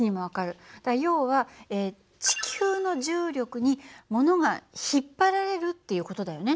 要は地球の重力に物が引っ張られるっていう事だよね。